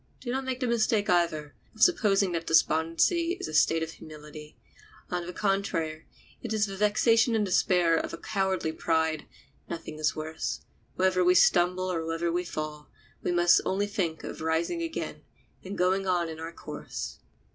Do not make the mistake, either, of supposing that despondency is a state of humility; on the contrary, it is the vexation and despair of a cowardly pride; nothing is worse; whether we stumble or whether we fall, we must only think of rising again, and going on in our course.